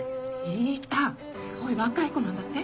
聞いたすごい若い子なんだって？